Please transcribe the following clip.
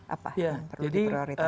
apa yang perlu diprioritaskan